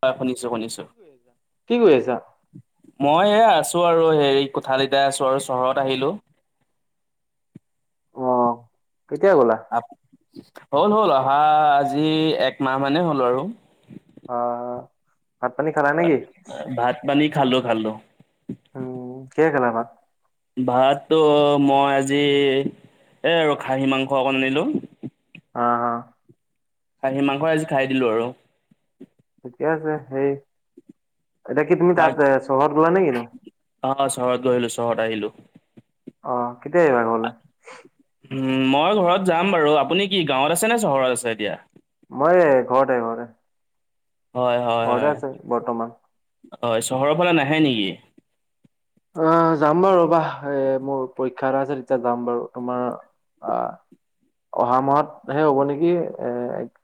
হয় শুনিছো শুনিছো কি কৰি আছা? কি কৰি আছা? মই এ আছোঁ আৰু হেৰী কোঠালীতে আছোঁ আৰু চহৰত আহিলোঁ। অ', কেতিয়া গ'লা? আপ, হ'ল হ'ল অহা আজি একমাহ মানে হ'ল আৰু। আ ভাত পানী খালা নেকি? ভাত পানী খালো খালো। উম কিহেৰে খালা ভাত? ভাতটো মই আজি এই আৰু খাহী মাংস অকণ আনিলোঁ। অহ। খাহী মাংস আজি খাই দিলো আৰু। ঠিকে আছে সেই এতিয়া কি তুমি তাত এ চহৰত গ'লা নে কিনো? অ অ চহৰত গৈ আহিলো চহৰত আহিলো। অহ কেতিয়া আহিবা ঘৰলে? উম মই ঘৰত যাম বাৰু আপুনি কি গাঁৱত আছে নে চহৰত আছে এতিয়া? মই এ ঘৰতে ঘৰতে। হয় হয় ঘৰতে হয় আছো বৰ্তমান। হয় চহৰৰ ফালে নাহে নেকি? অহ যাম বাৰু ৰবা এ মোৰ পৰীক্ষা এটা আছে তেতিয়া যাম বাৰু তোমাৰ আ অহা মাহত হে হ'ব নেকি এ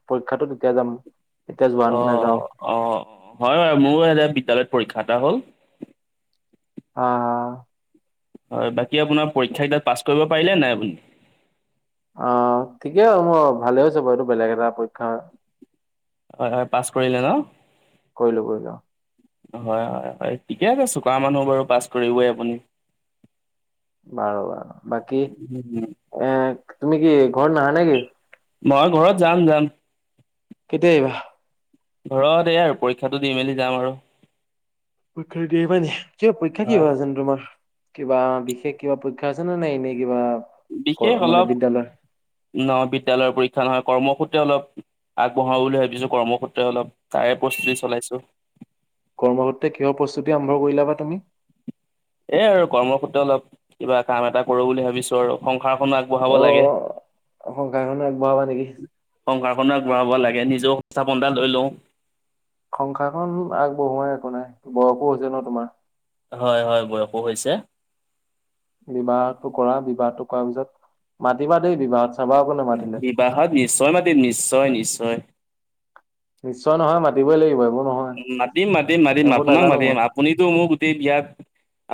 পৰীক্ষাটো তেতিয়া যাম। এতিয়া যোৱা অ নাযাওঁ অ হয় বাৰু মোৰো এ বিদ্যালয়ত পৰীক্ষা এটা হ'ল। অ। হয় বাকী আপোনাৰ পৰীক্ষা কেইটাত পাছ কৰিব পাৰিলে নাই আপুনি? অ ঠিকেই মোৰ ভালে হৈছে বাৰু এইটো বেলেগ এটা পৰীক্ষা হয়। হয় হয় পাছ কৰিলে ন? কৰিলোঁ কৰিলোঁ। হয় হয় হয় ঠিকে আছে চোকা মানুহ বাৰু পাছ কৰিবই আপুনি। [inaudible] বাৰু বাৰু বাকী উম, এ তুমি কি ঘৰত নাহা নেকি? মই ঘৰত যাম যাম। কেতিয়া আহিবা? ঘৰত এই আৰু পৰীক্ষাটো দি মেলি যাম আৰু। পৰীক্ষাটো দি আহিবা নেকি? কিবা পৰীক্ষা কি হয় আছে নো তোমাৰ কিবা বিশেষ কিবা পৰী পৰীক্ষা আছে নে নে এনেই কিবা বিশেষ মানে অলপ বিদ্যালয় নহয় বিদ্যালয়ৰ পৰীক্ষা নহয় কৰ্মসূত্ৰে অলপ আগবঢ়াও বুলি ভাবিছোঁ কৰ্মসূত্ৰে অলপ তাৰে প্ৰস্তুতি চলাইছো। কৰ্মসূত্ৰে কিহৰ প্ৰস্তুতি আৰম্ভ কৰিলা বা তুমি? এ আৰু কৰ্মসূত্ৰে অলপ কিবা কাম এটা কৰোঁ বুলি ভাবিছোঁ আৰু সংসাৰখন আগ অ সংসাৰখন আগবঢ়াবা নেকি? সংসাৰখনো আগবঢ়াব লাগে নিজেও সংস্থাপন এটা লৈ লওঁ। সংসাৰখন আগবঢ়োৱা একো নাই বয়সো হৈছে ন তোমাৰ। হয় হয় বয়সো হৈছে। বিবাহটো কৰা বিবাহটো কৰাৰ পিছত মাতিবা দেই বিবাহত চাবা আকৌ নামাতিলে। বিবাহত নিশ্চয় মাতিম নিশ্চয় নিশ্চয়। নিশ্চয় নহয় মাতিবই লাগিব এইবোৰ নহয় মাতিম মাতিম মাতিম এইবোৰ আপোনাক নাজানো মাতিম মই আপুনিতো মোৰ গোটেই বিয়াত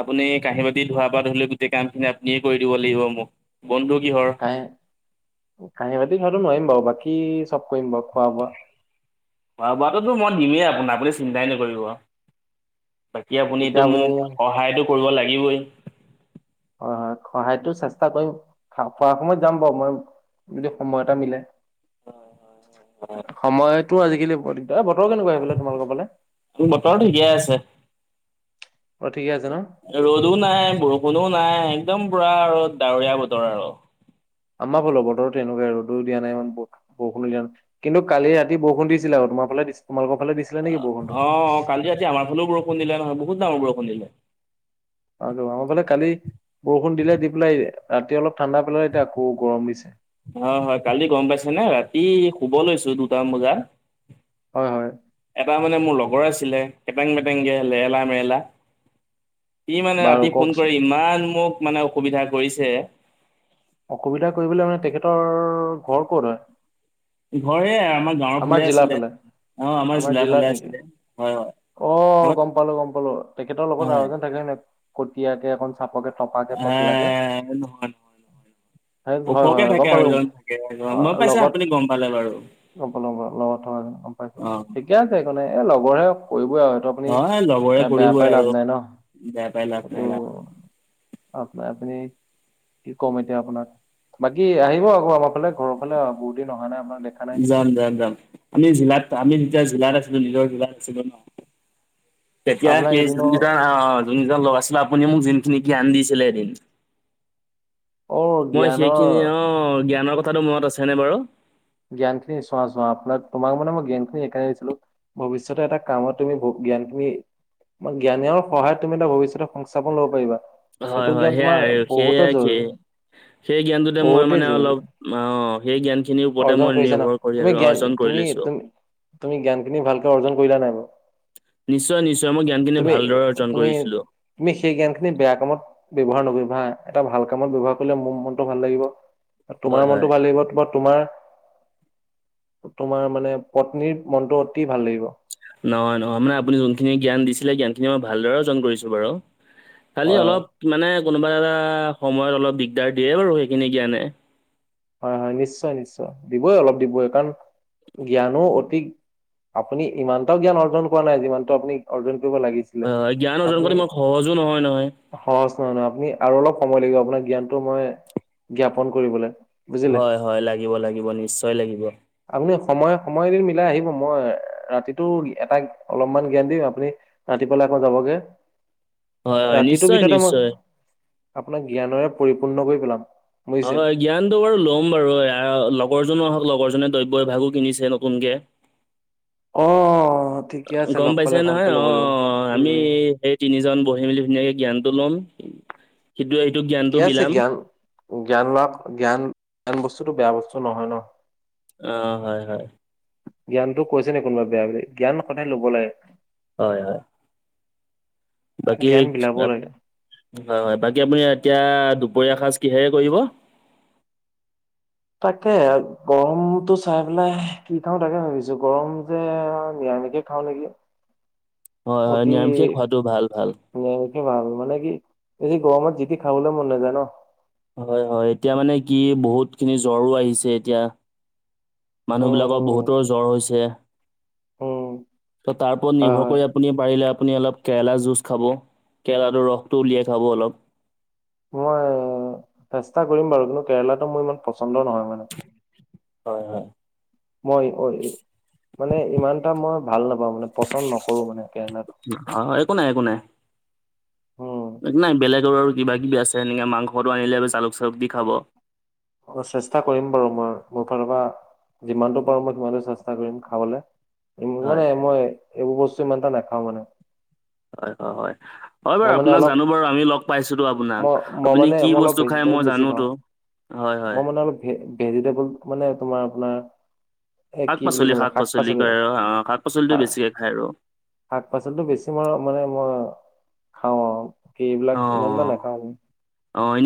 আপুনি কাঁহী বাতি ধোৱা পৰা ধৰি ল' গোটেই কামখিনি আপুনিয়েই কৰি দিব লাগিব মোক বন্ধু কিহৰ কাহে কাঁহী বাতি ধোৱাটো নোৱাৰিম বাৰু, বাকী চব কৰিম বাৰু খোৱা বোৱা। খোৱা বোৱাটোতো মই দিমেই আপোনাক, আপুনি চিন্তাই নকৰিব। বাকী এতিয়া আপুনিটো আপুনি মোক সহায়তো কৰিব লাগিবই। হয় হয়, সহায়তো চেষ্টা কৰিম। খা- খোৱাৰ সময়ত যাম বাৰু, মই যদি সময় এটা মিলে। সময়তো আজিকালি বৰ দিগদাৰ। এ বতৰ কেনেকুৱা সেইফালে, তোমালোকৰ ফালে? বতৰ ঠিকে আছে। অঁ, ঠিকে আছে ন। ৰ'দো নাই, বৰষুণো নাই, একদম পুৰা আৰু ডাৱৰীয়া বতৰ আৰু। আমাৰ ফালো বতৰতো এনেকুৱাই ৰদো দিয়া নাই ইমান বৰষুণো দিয়া নাই। কিন্তু কালি ৰাতি বৰষুণ দিছিল আৰু তোমাৰ ফালে তোমালোকৰ ফালে দিছিল অ, কালি ৰাতি আমাৰ ফালেও বৰষুণ দিলে নহয়, বহুত দাঙৰ বৰষুণ দিলে। আৰু, আমাৰ ফালে কালি বৰষুণ দিলে দি পেলাই ৰাতি অলপ ঠাণ্ডা পেলাই এতিয়া আকৌ গৰম দিছে। অ হয়, কালি গম পাইছে নে, ৰাতি শুব লৈছোঁ দুটামান বজাত। হয় হয়। এটা মানে মোৰ লগৰ আছিলে। কেটেং মেটেংকে, লেৰেলা মেৰেলা। ই মানে বাৰু ৰাতি ফোন কওকচোন কৰি ইমান মোক মানে অসুবিধা কৰিছে, অসুবিধা কৰিবলৈ মানে তেখেতৰ ঘৰ ক'ত হয়? ঘৰ এই আমাৰ গাঁৱৰ ফালে আছিলে। অ আমাৰ জিলাৰ জিলাত ফালে নেকি আছিলে। হয় হয়। অ আগত গম পালোঁ গম পালোঁ, তেখেতৰ লগত আৰু এজন থাকে হয় নাই? কটীয়াকে, অকন চাপকে থপাকে পেটলা কে। আহ নহয় নহয় হয় হয় ওখকে হয়। গম থাকে আৰু পালোঁ। গম, এজন থাকে অ গম পাইছে লগত আপুনি গম পালে বাৰু লগত থকা গম পাইছো অ বাৰু। ঠিকে আছে একো নাই। এই লগৰহে, কৰিবই আৰু। সিহঁতক আপুনি হয় লগৰে এ বেয়া কৰিবই পাই লাভ আৰু নাই ন। বেয়া পাই লাভ এইটো, নাই লাভ নাই। আপ- আপুনি কি কম এতিয়া আপোনাক। বাকী আহিব আকৌ আমাৰ ফালে, ঘৰৰ ফালে, বহু দিন অহা নাই আপোনাক দেখা নাই। -যাম যাম। আমি জিলাত, আমি যেতিয়া জিলাত আছিলোঁ, নিজৰ জিলাত আছিলোঁ ন, তেতিয়া আপোনাক সেই এদিনো যোনকেইটা অহ যোন কেইজন লগ আছিলে আপুনি মোক যোনখিনি কি আনি দিছিলে এদিন। অ মই সেইখিনি, জ্ঞানৰ অ জ্ঞানৰ কথাটো মনত আছেনে বাৰু? জ্ঞানখিনি চোৱা চোৱা আপোনাক, তোমাক মানে মই জ্ঞানখিনি এইকাৰণে দিছিলোঁ। ভৱিষ্যতে এটা কামত তুমি ব- জ্ঞানখিনি জ্ঞানৰ সহায়ত তুমি এটা ভৱিষ্যত সংস্থাপ ল'ব পাৰিবা। হয় সেইটো হয় জ্ঞান তোমাৰ সেয়াই আৰু, বহুতে সেয়াই জৰুৰী ঠিক। সেই জ্ঞানটোতে মই বহুতেই মানে জৰুৰী অলপ অ, সেই জ্ঞান খিনিৰ ওপৰতে অৰ্জন মই কৰিছা ন নিৰ্ভৰ কৰি অৰ্জন কৰি লৈছোঁ। তুমি জ্ঞান খিনি ভালকে অৰ্জন কৰিলা নাই বাৰু। নিশ্চয় নিশ্চয়, মই জ্ঞানখিনি তুমি ভালদৰে অৰ্জন তুমি কৰিছিলোঁ। তুমি সেই জ্ঞানখিনি বেয়া কামত ব্যৱহাৰ নকৰিবা হা। এটা ভাল কামত ব্যৱহাৰ কৰিলে মোৰ মনটো ভাল লাগিব, হয় তোমাৰ হয় মনটো ভাল লাগিব। তোমাৰ- তোমাৰ তোমাৰ মানে পত্নীৰ মনটো অতি ভাল লাগিব। নহয় নহয়, মানে আপুনি যোনখিনি জ্ঞান দিছিলে জ্ঞানখিনি মই ভালদৰেই অৰ্জন কৰিছোঁ বাৰু। খালি হয় হয় অলপ, মানে কোনোবা এটা সময়ত অলপ দিগদাৰ দিয়ে বাৰু সেইখিনি জ্ঞানে। হয় হয়, নিশ্চয় নিশ্চয়। দিবই অলপ দিবই, কাৰণ জ্ঞানো অতি আপুনি ইমানটাও জ্ঞান অৰ্জন কৰা নাই যিমানটো আপুনি অৰ্জন কৰিব লাগিছে। হয় হয়। জ্ঞান অৰ্জন কৰাটো ইমান সহজো নহয় নহয়। সহজ নহয় নহয় আপুনি আৰু অলপ সময় লাগিব আপোনাৰ জ্ঞানতটো মই জ্ঞাপন কৰিবলৈ। বুজিলে হয় হয় লাগিব লাগিব নিশ্চয় লাগিব। আপুনি সময়ে সময়দিন মিলাই আহিব মই ৰাতিটো এটা অলপমান জ্ঞান দিম আপুনি ৰাতিপুৱালে আকৌ যাবগে হয় হয় ৰাতিটোৰ নিশ্চয় ভিতৰতে মই। নিশ্চয় আপোনাক জ্ঞানৰে পৰিপূৰ্ণ কৰি পেলাম বুজিছে। জ্ঞানতটো বাৰু ল'ম বাৰু এ লগৰজনো আহক লগৰজনে দ্ৰব্যই এভাগো কিনিছে নতুনকে। অঁ। গম পাইছে নহয় অঁ আমি উম হেই তিনিজন বহি মেলি ধুনীয়াকে জ্ঞানটো ল'ম শিটোৱে ঠিকে আছে জ্ঞান জ্ঞান লোৱা জ্ঞান জ্ঞান বস্তুটো বেয়া বস্তু নহয় ন। অঁ, হয় হয়। জ্ঞানতো কৈছে নি, কোনোবাই বেয়া বুলি জ্ঞান সদায় ল'ব লাগে। হয় হয়। বাকী জ্ঞান বিলাব লাগে হয় হয় বাকী আপুনি এতিয়া দুপৰীয়া সাজ কিহেৰে কৰিব? তাকে গৰমতটো চাই পেলাই কি খাওঁ তাকে ভাবিছো গৰম যে নিৰামিকে খাওঁ নেকি। হয় হয় অতি নিৰামিষে খোৱাতটো ভাল ভাল। নিৰামিষে ভাল মানে কি এই যে গৰমত জিতি খাবলৈ মন নাযায় ন? হয় হয় এতিয়া মানে কি বহুত খিনি জ্বৰো আহিছে এতিয়া। মানুহ উম বিলাকৰ উম বহুতৰ জ্বৰ হৈছে উম ত' তাৰ ওপৰত হয় নিৰ্ভৰ হয় কৰি আপুনি পাৰিলে আপুনি অলপ কেৰেলা জুচ খাব কেৰেলাটোৰ ৰসটো উলিয়াই খাব অলপ। মই চেষ্টা কৰিম বাৰু কিন্তু কেৰেলাতো মোৰ ইমান পচন্দ নহয় মানে। হয় হয়। মই মানে ইমানটা মই ভাল নাপাওঁ মানে পচন্দ নকৰোঁ মানে কেৰেলাটো। অ একো নাই একো নাই। উম নাই বেলেগৰ আৰু কিবা কিবি আছে সেনেকে মাংসটো আনিলে জালুক চালুক দি খাব। অঁ, চেষ্টা কৰিম বাৰু মই মোৰ ফালৰ পৰা। যিমানটো পাৰো মই সিমানটো চেষ্টা কৰিম খাবলৈ। মানে হয় মই এইবোৰ বস্তু ইমান এটা নাখাও মানে। হয় হয় হয়। হয় বাৰু মই মানে আপোনাক অলপ জানো বাৰু আমি লগ পাইছোতো আপোনাক মই মই আপুনি মানে কি মই অলপ বস্তু খাই ভেজিটেবল মই বেছি খাওঁ জানোতো। হয় হয়। মই মানে অলপ ভেজিটেবল মানে তোমাৰ আপোনাৰ। এ শাক কি বুলি পাচলি ক'ম শাক পাচলি কৰে আৰু শাক পাচলিটো শা- বেছিকে খায় আৰু। শাক পাচলিটো বেছি মাৰ মানে মই খাওঁ আৰু কি এইবিলাক ইমানটা নাখাওঁ। অঁ।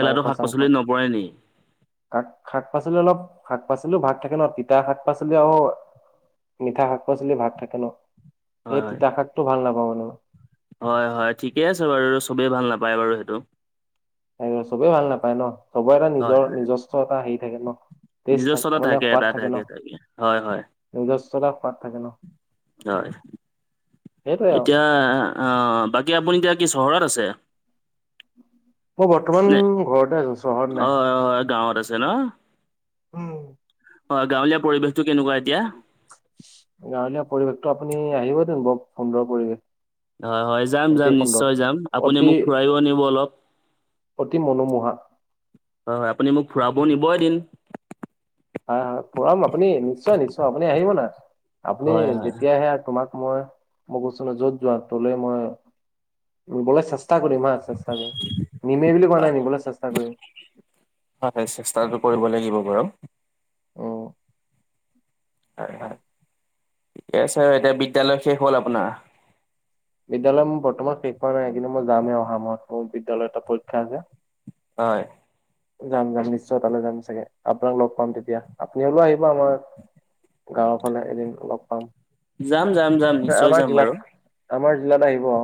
মাংস সাংস। শাক পাচলি অলপ শাক পাচলিও ভাগ থাকে ন তিতা শাক পাচলি আৰু মিঠা শাক পাচলি ভাগ থাকে ন এই হয় হয় তিতা শাকটো ভাল নাপাওঁ মানে মই। হয় হয় ঠিকে আছে বাৰু চবেই ভাল নাপায় বাৰু সেইটো। চবেই ভাল নাপায় ন চবৰে এটা হয়। নিজৰ নিজস্ব এটা হেৰি থাকে ন। টেষ্ট নিজস্বতা থ মানে সোৱাদ এটা থাকে ন হয় হয় নিজস্বতা সোৱাদ থাকে ন। হয়। সেইটোৱে আৰু। এতিয়া অঁ, বাকী আপুনি এতিয়া কি চহৰত আছে? মই বৰ্তমান নে ঘৰতে আছো চহৰত নাই। হৈ হৈ গাঁৱত আছে ন? উম, হয়, গাঁৱলীয়া পৰিৱেশতটো কেনেকুৱা এতিয়া? গাঁৱলীয়া পৰিৱেশটো আপুনি আহিব দেন বৰ সুন্দৰ পৰিৱেশ। হয়, হয় যাম অতি যাম সুন্দৰ। নিশ্চয় যাম আপুনি অতি মোক ফুৰাইও আনিব অলপ। অতি মনোমোহা। হয়, হয় আপুনি মোক ফুৰাবও নিব এদিন। হয় হয় ফুৰাম আপুনি নিশ্চয় নিশ্চয় আপুনি আহিব না আপুনি হয় হয় যেতিয়া আহে তোমাক মই কৈছোঁ ন যত যোৱা তলৈ মই নিবলৈ চেষ্টা চেষ্টা কৰিম হা চেষ্টা কৰিম নিমেই বুলি কোৱা নাই, নিবলে চেষ্টা কৰিম। হয় চেষ্টাটো কৰিব লাগিব বাৰু। উম, হয় হয় ঠিকে আছে এতিয়া বিদ্যালয় শেষ হ'ল আপোনাৰ? বিদ্যালয় মোৰ বৰ্তমান শেষ হোৱা নাই কিন্তু মই যামহে অহা মাহত মোৰ বিদ্যালয়ত এটা পৰীক্ষা যে। হয়। যাম, যাম নিশ্চয় তালৈ যাম চাগে আপোনাক লগ পাম তেতিয়া আপুনি হলেও আহিব। আমাৰ গাঁৱৰ ফালে এদিন লগ পাম। যাম, যাম, যাম নিশ্চয় আমাৰ যাম জিলাত বাৰু। আমাৰ জিলাত আহিব অ।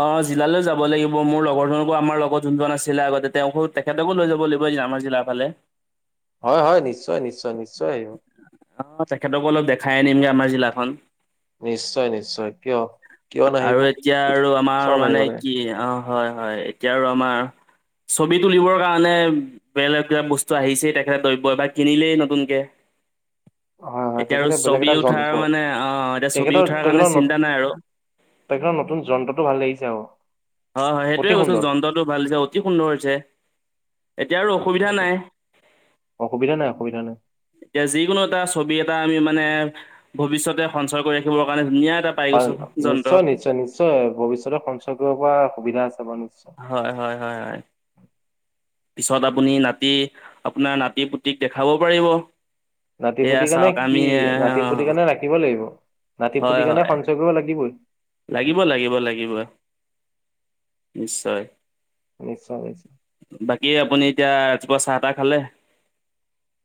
অ জিলালৈ যাব লাগিব মোৰ লগৰজনকো আমাৰ লগত যোনজন আছিলে আগতে তেওঁকো তেখেতকো লৈ যাব লাগিব আমাৰ জিলাৰ ফালে। হয়, হয় নিশ্চয়, নিশ্চয় নিশ্চয় আহিব। অ তেখেতকো অলপ দেখাই আনিমগে আমাৰ জিলাখন। নিশ্চয়, নিশ্চয়, কিয়? কিয় নাহিব আৰু এতিয়া আৰু আমাৰ চব আহিব মানে লাগে কি অ হয়, হয় এতিয়া আৰু আমাৰ ছবি তুলিবৰ কাৰণে, বেলেগ কিবা বস্তু আহিছেই তেখেতে দ্ৰব্য বা কিনিলেই নতুনকে। [inaudible] হয় এতিয়া আৰু তেখেতে বেলেগ ছবি এটা উঠাৰ যন্ত্ৰ মানে অ এতিয়া ছবি উঠাৰ কাৰণে চিন্তা নাই আৰু। তেখেত নতুন যন্ত্ৰটো ভাল লাগিছে আক। হয়, হয় সেইটোৱে কৈছো যন্ত্ৰটো ভাল লাগিছে। অতি সুন্দৰ হৈছে, এতিয়া আৰু অসুবিধা সেইটো নাই অসুবিধা নাই, অসুবিধা নাই। এতিয়া যিকোনো এটা ছবি এটা আমি মানে ভৱিষ্যতে সঞ্চয় কৰি ৰাখিবৰ কাৰণে ধুনীয়া এটা পাই ভাল, গৈছো যন্ত্ৰ নিশ্চয় নিশ্চয় নিশ্চয় ভৱিষ্যতে সঞ্চয় কৰিব পৰা সুবিধা আছে বাৰু নিশ্চয়। হয়, হয়, হয়, হয়, পিছত আপুনি নাতি আপোনাৰ নাতি, পুতিক দেখাব পাৰিব। নাতি, সেয়া পুতি কাৰণে চাওক সি আমি এ, নাতি, পুতি কাৰণে ৰাখিব লাগিব। নাতি, হয় পুতি কাৰণে হয় সঞ্চয় কৰিব লাগিবই। লাগিব, লাগিব, লাগিবই নিশ্চয়। নিশ্চয়, নিশ্চয়, বাকী, আপুনি এতিয়া ৰাতিপুৱা চাহ তাহ খালে?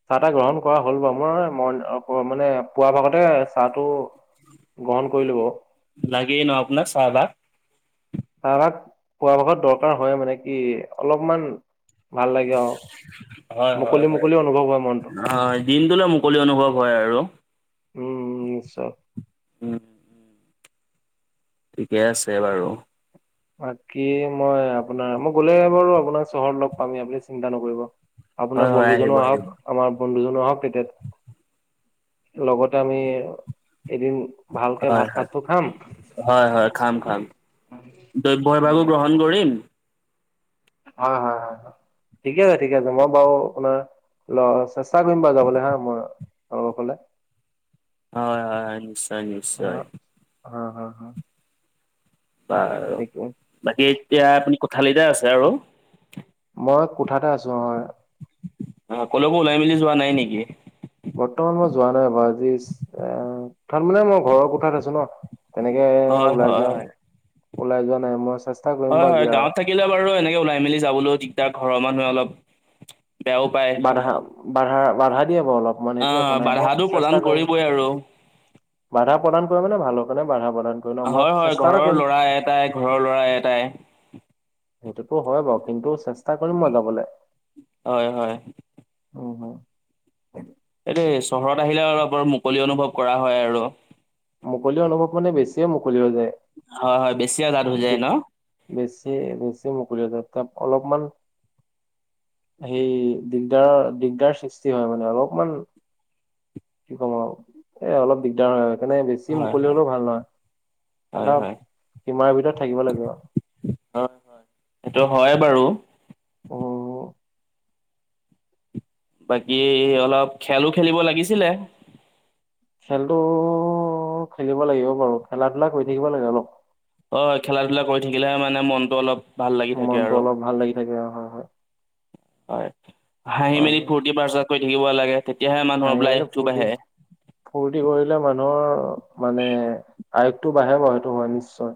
চাহ, তাহ গ্ৰহণ কৰা হ'ল বাৰু। মই মই মানে পুৱা ভাগতে চাহটো গ্ৰহণ কৰিলো বাৰু। লাগেই ন আপোনাক চাহ, বা চাহভাগ পুৱা ভাগত দৰকাৰ হয়ে মানে কি অলপমান ভাল লাগে আৰু। হয়, হয়, মুকলি মুকলি অনুভৱ হয় মনটো হয় দিনটোলে মুকলি অনুভৱ হয় আৰু। উম, চব উম, উম, ঠিকে আছে বাৰু বাকী মই আপোনাৰ মই গ'লে বাৰু আপোনাৰ চহৰত লগ পামেই আপুনি চিন্তা নকৰিব হয় আপোনাৰ হয় আহিব বন্ধুজনো আহিব আহক আমাৰ বন্ধু জনো আহক তেতি লগতে আমি এদিন ভালকে হয় ভাত হয় সাজটো খাম হয় হয় খাম খাম দ্ৰব্য এভাগো গ্ৰহণ কৰিম হয়। হয়। হয়। হয় ঠিকে ঠিকে ময় বাৰু কলে ল চেষ্টা কৰিম বাৰু যাবলে হা মই অ অকলে হয়। হয়। হয়। নিশ্চয় নিশ্চয় হ হা হা বাৰু বাকী এতিয়া আপুনি কোঠালিতে আছে আৰু মই কোঠাতে আছো অহ অ', কলৈকো ওলাই মেলি যোৱা নাই নেকি? বৰ্তমান মই যোৱা নাই বাও আজিচোন এ কোঠাত মানে মই ঘৰৰ কোঠাত আছো ন তেনেকে হয় ওলাই হয় যোৱা হয়। ওলাই যোৱা নাই। মই চেচ হয়। হয়। গাঁৱত থাকিলে বাৰু এনেকে ওলাই মেলি যাবলৈও দিগদাৰ ঘৰৰ মানুহে অলপ বেয়াও পায়। বাধা, বাধা, বাধা, দিয়ে বাৰু অলপ মান এইটো একো আহ নাই। মই বাধাটো প্ৰদান চেষ্টা কৰিম কৰিবই আৰু বাধা প্ৰদান কৰে মানে ভালৰ কাৰণে বাধা প্ৰদান কৰি ন মই হয়। হয়। চেষ্টা এটা ঘৰৰ কৰিম। ল'ৰা এটাই ঘৰৰ ল'ৰা এটাই সেইটোতো হয় বাৰু কিন্তু চেষ্টা কৰিম মই যাবলে হয়। হয়। অ', হয়। এইটো চহৰত আহিলে অলপ মুকলি অনুভৱ কৰা হয়, আৰু মুকলি অনুভৱ মানে বেছিয়ে মুকলি হৈ যায়। হয়। হয়। বেছিয়ে আজাদ হৈ যায় ন বেছিয়ে বেছিয়ে মুকলি হৈ যায় তাত অলপমান সেই দিগদাৰৰ দিগদাৰ সৃষ্টি হয় মানে অলপমান কি ক'ম আৰু এ অলপ দিগদাৰ হয় মানে বেছি হয় মুকলি হয় হ'লেও ভাল নহয় এটা হয় হয় সীমাৰ ভিতৰত থাকিব লাগিব আৰু হয়। সেইটো হয় বাৰু অ', বাকী অলপ খেলো খেলিব লাগিছিলে। খেলটো খেলিব লাগিব বাৰু খেলা ধূলা কৰি থাকিব লাগে। অলপ অ', খেলা ধূলা কৰি থাকিলেহে মানে মনটো অলপ ভাল লাগি থাকে মনটো আৰু অলপ ভাল লাগি থাকে হয়। হয়। হয়। হাঁহি হয় মেলি হয় ফূৰ্তি বাজক কৰি থাকিব লাগে। তেতিয়াহে আহি মানুহৰ মেলি আয়ুসটো ফূৰ্তি বাঢ়ে। ফূৰ্তি কৰিলে মানুহৰ মানে আয়ুসটো বাঢ়ে বাৰু সেইটো হয় নিশ্চয়,